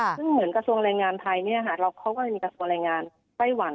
ซึ่งเหมือนกระทรวงแรงงานไทยเขาก็จะมีกระทรวงแรงงานไต้หวัน